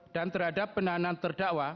dan terhadap penahanan terdakwa